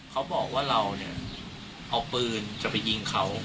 เขาบอกว่าเราเนี่ยเอาปืนจะไปยิงเขา